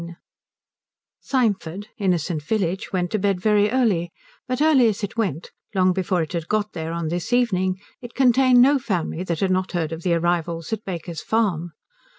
VII Symford, innocent village, went to bed very early; but early as it went long before it had got there on this evening it contained no family that had not heard of the arrivals at Baker's Farm.